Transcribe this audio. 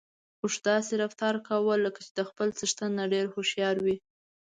اوښ داسې رفتار کاوه لکه چې د خپل څښتن نه ډېر هوښيار وي.